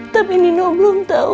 tapi nino belum tau